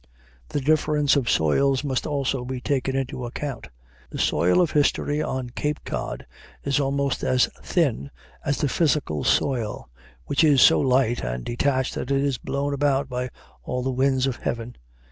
The difference of soils must also be taken into account. The soil of history on Cape Cod is almost as thin as the physical soil, which is so light and detached that it is blown about by all the winds of heaven.